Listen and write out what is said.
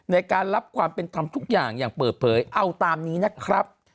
ในการรับความเป็นธรรมทุกอย่างอย่างเปิดเผยเอาตามนี้นะครับ